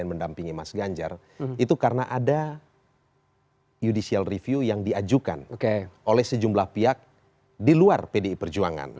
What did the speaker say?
mendampingi mas ganjar itu karena ada judicial review yang diajukan oleh sejumlah pihak di luar pdi perjuangan